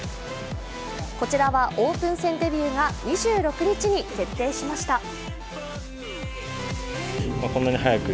こちらはオープン戦デビューが２６日に決定しました。